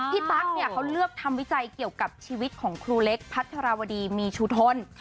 ตั๊กเนี่ยเขาเลือกทำวิจัยเกี่ยวกับชีวิตของครูเล็กพัทรวดีมีชูทน